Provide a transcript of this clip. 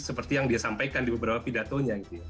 seperti yang dia sampaikan di beberapa pidatonya gitu ya